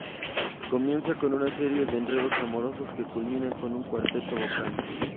Comienza con una serie de enredos amorosos, que culminan en un cuarteto vocal.